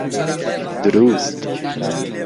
دروست!